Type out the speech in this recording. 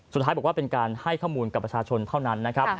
สุดท้ายบอกว่าเป็นการให้ข้อมูลกับประชาชนเท่านั้นนะครับ